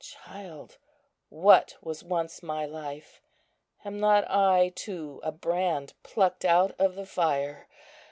Child, what was once my life? Am not I too a brand plucked out of the fire?